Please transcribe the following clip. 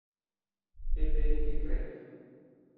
Ebbene, che crepi!